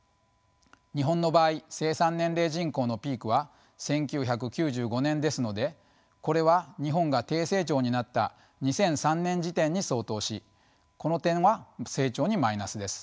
日本の場合生産年齢人口のピークは１９９５年ですのでこれは日本が低成長になった２００３年時点に相当しこの点は成長にマイナスです。